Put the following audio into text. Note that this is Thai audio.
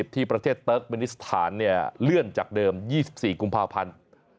ที่ประเทศเติร์กมินิสถานเลื่อนจากเดิม๒๔กุมภาพันธ์